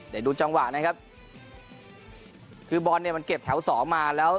เดี๋ยวดูจังหวะนะครับคือบอลเนี่ยมันเก็บแถวสองมาแล้ว